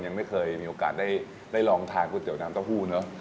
ยังไม่เคยมีโอกาสได้ลองทานก๋วยเตี๋น้ำเต้าหู้เนอะ